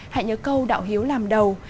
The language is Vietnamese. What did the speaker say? hãy nhớ câu đạo hiếu làm đầu